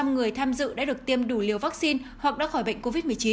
một mươi người tham dự đã được tiêm đủ liều vaccine hoặc đã khỏi bệnh covid một mươi chín